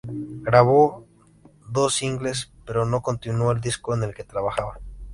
Grabó dos singles pero no continuó el disco en el que trabajaba.